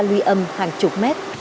lưu âm hàng chục mét